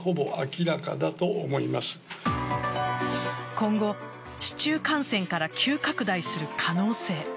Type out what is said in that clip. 今後市中感染から急拡大する可能性。